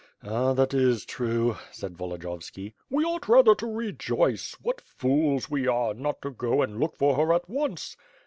"Ah, that is true," said Volodiyovski. "We ought rather to rejoice. What fools we are not to go and look for her at once."